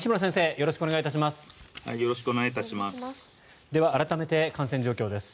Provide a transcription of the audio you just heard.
よろしくお願いします。